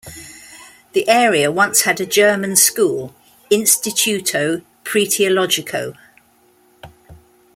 The area once had a German school, Instituto Preteologico.